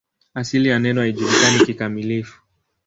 Asili ya neno haijulikani kikamilifu.